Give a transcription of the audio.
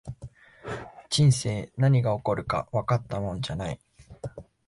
人生、何が起こるかわかったもんじゃない